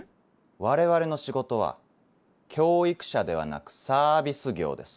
我々の仕事は教育者ではなくサービス業です。